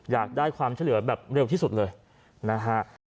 อยากได้ความช่วยเหลือแบบเร็วที่สุดเลยนะฮะ